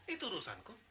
itu urusan ku